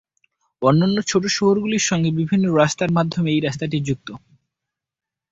অন্যান্য ছোটো শহরগুলির সঙ্গেও বিভিন্ন রাস্তার মাধ্যমে এই রাস্তাটি যুক্ত।